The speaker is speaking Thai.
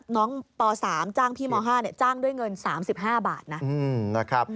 น้องป๓จ้างพี่ม๕จ้างด้วยเงิน๓๕บาทนะ